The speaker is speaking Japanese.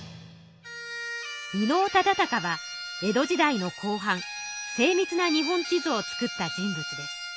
伊能忠敬は江戸時代の後半精みつな日本地図を作った人物です。